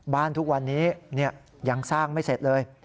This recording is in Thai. ทุกวันนี้ยังสร้างไม่เสร็จเลย